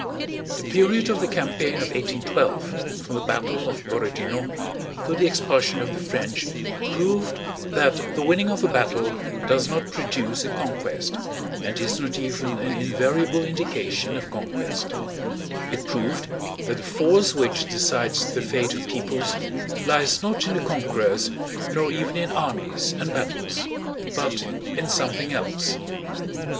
The period of the campaign of 1812 from the battle of Borodinó to the expulsion of the French proved that the winning of a battle does not produce a conquest and is not even an invariable indication of conquest; it proved that the force which decides the fate of peoples lies not in the conquerors, nor even in armies and battles, but in something else.